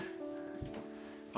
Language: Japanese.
あ。